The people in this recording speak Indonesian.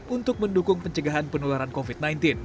untuk mendukung pencegahan penularan covid sembilan belas